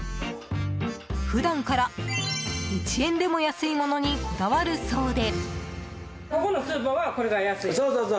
普段から、１円でも安いものにこだわるそうで。